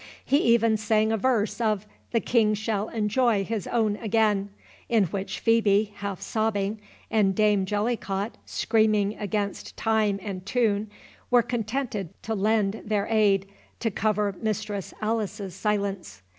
He even sang a verse of "The King shall enjoy his own again," in which Phœbe, half sobbing, and Dame Jellycot, screaming against time and tune, were contented to lend their aid, to cover Mistress Alice's silence.